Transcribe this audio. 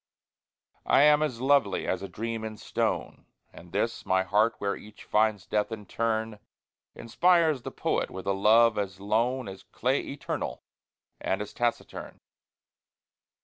I am as lovely as a dream in stone, And this my heart where each finds death in turn, Inspires the poet with a love as lone As clay eternal and as taciturn.